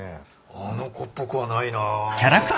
あの子っぽくはないな。